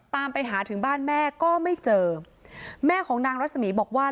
ตามไปหาถึงบ้านแม่ก็ไม่เจอแม่ของนางรัศมีบอกว่า